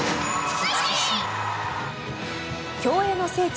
競泳の聖地